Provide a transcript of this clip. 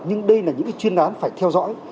nhưng đây là những chuyên án phải theo dõi